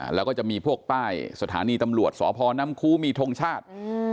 แล้วก็จะมีพวกป้ายสถานีตำรวจสพน้ำคูมีทงชาติ